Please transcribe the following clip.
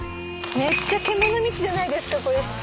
めっちゃ獣道じゃないですかこれ。